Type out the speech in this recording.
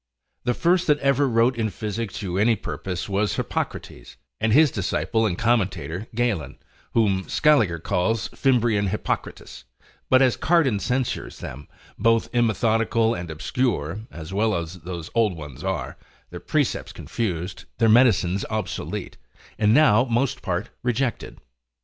The first that ever wrote in physic to any purpose, was Hippocrates, and his disciple and commentator Galen, whom Scaliger calls Fimbriam Hippocratis; but as Cardan censures them, both immethodical and obscure, as all those old ones are, their precepts confused, their medicines obsolete, and now most part rejected.